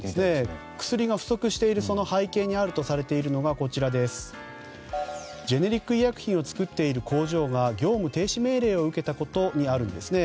薬が不足している背景にあるとされているのがジェネリック医薬品を作っている工場が業務停止命令を受けたことにあるんですね。